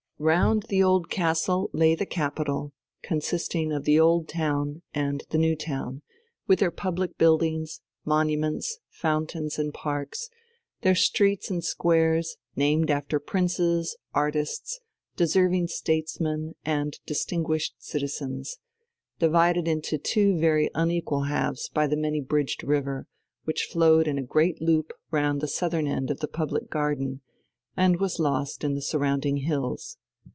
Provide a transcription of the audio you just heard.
Round the Old Castle lay the capital, consisting of the Old Town and the New Town, with their public buildings, monuments, fountains, and parks, their streets and squares, named after princes, artists, deserving statesmen, and distinguished citizens, divided into two very unequal halves by the many bridged river, which flowed in a great loop round the southern end of the public garden, and was lost in the surrounding hills.